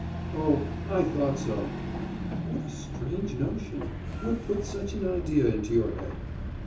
'Oh, I thought so.' 'What a strange notion! What put such an idea into your head?